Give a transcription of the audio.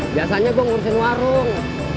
biasanya gua ngurusin warung